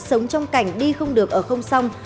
sống trong cảnh đi không được ở không song